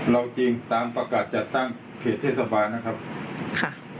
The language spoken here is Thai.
เราจริงตามประกาศจัดตั้งเขตเทศบาลนะครับค่ะ